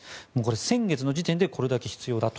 先月の時点でこれだけ必要だと。